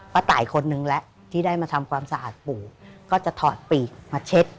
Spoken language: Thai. ตายคนนึงแหละที่ได้มาทำความสะอาดปู่ก็จะถอดปีกมาเช็ด